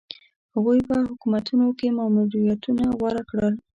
هغوی په حکومتونو کې ماموریتونه غوره کړل.